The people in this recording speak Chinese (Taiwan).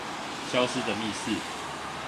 消失的密室